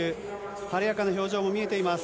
晴れやかな表情も見えています。